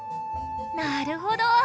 なるほど。